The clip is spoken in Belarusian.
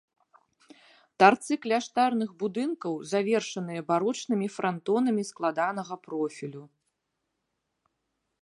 Тарцы кляштарных будынкаў завершаныя барочнымі франтонамі складанага профілю.